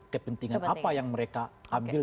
kepentingan apa yang mereka ambil